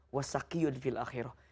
wa sakiun fil akhirah